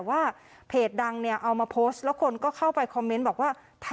อยากทางทางเธออยู่ตรงนั้น